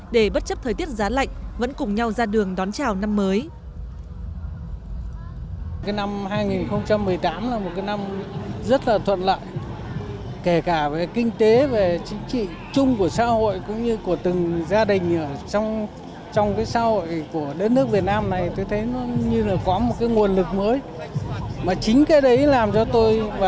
để bất chấp thời tiết giá lạnh vẫn cùng nhau ra đường đón trào năm mới